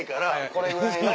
これぐらいの。